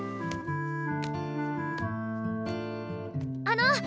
あの！